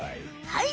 はい。